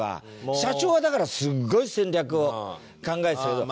社長はだからすごい戦略を考えてたけど。